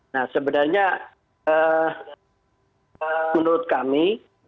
nah sebenarnya menurut kami